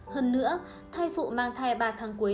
hơn nữa thay phụ mang thai ba tháng cuối